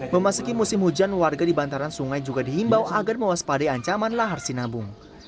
memasuki musim hujan warga di bantaran sungai juga dihimbau agar mewaspade ancaman lahar sinabung